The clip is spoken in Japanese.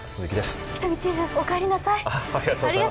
喜多見チーフ、お帰りなさい。